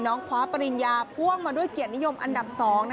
คว้าปริญญาพ่วงมาด้วยเกียรตินิยมอันดับ๒